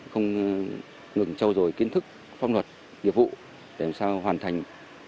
không ngừng trâu dồi kiến thức phong luật nhiệm vụ để làm sao hoàn thành